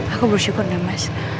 aku bersyukur ya mas